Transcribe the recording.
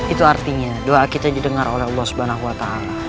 itu artinya doa kita didengar oleh allah swt